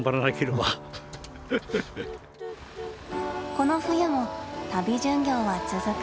この冬も旅巡業は続く。